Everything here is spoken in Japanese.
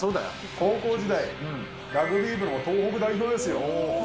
高校時代、ラグビー部の東北代表ですよ。